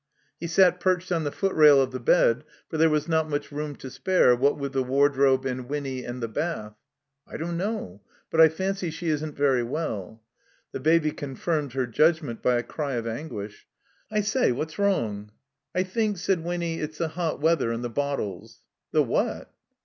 (He sat perched on the footrail of the bedstead, for there was not much room to spare, what with the wardrobe and Winny and the bath.) "I don't know. But I fancy she isn't very well." The Baby confirmed her judgment by a cry of anguish. "I say, what's wrong?" "I think," said Winny, "it's the hot weather and the bottles." "The what?"